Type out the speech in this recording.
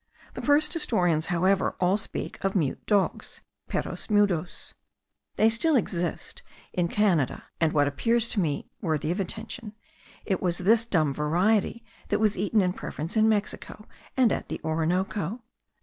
The first historians, however, all speak of mute dogs (perros mudos). They still exist in Canada; and, what appears to me worthy of attention, it was this dumb variety that was eaten in preference in Mexico,* and at the Orinoco.